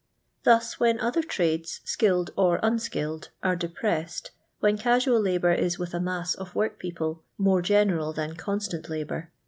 Thus when other trades, skilled or unikilled. arc depressed, when casual labour is with a mass of workpeople more general than constant lab. ur.